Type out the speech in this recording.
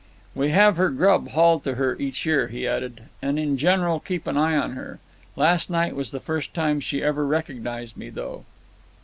"We have her grub hauled to her each year," he added, "and in general keep an eye on her. Last night was the first time she ever recognized me, though."